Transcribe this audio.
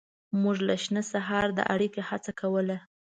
موږ له شنه سهاره د اړیکې هڅه کوله.